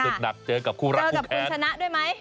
คุณสุดหนักเจอกับคู่รักคู่แข็งเจอกับคุณชนะด้วยไหม